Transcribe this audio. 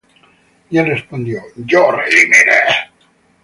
Y él respondió: Yo redimiré.